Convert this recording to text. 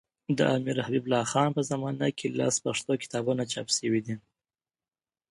د امیرحبیب الله خان په زمانه کي لس پښتو کتابونه چاپ سوي دي.